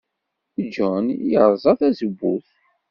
John yerẓa tazewwut.